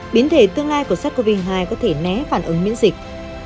biến thể tương lai của sát covid hai có thể né phản ứng miễn dịch